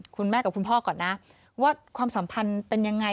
คุณพ่อกับคุณพ่อก่อนนะว่าความสัมพันธ์เป็นยังไง